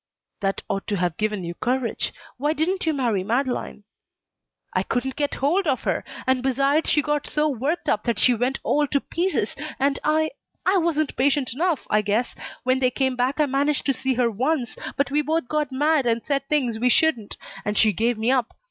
"That ought to have given you courage. Why didn't you marry Madeleine?" "I couldn't get hold of her. And, besides, she got so worked up that she went all to pieces, and I I wasn't patient enough, I guess. When they came back I managed to see her once, but we both got mad and said things we shouldn't, and she gave me up.